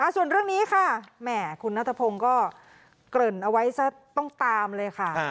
ส่วนเรื่องนี้ค่ะแหมคุณนัทพงศ์ก็เกริ่นเอาไว้ซะต้องตามเลยค่ะ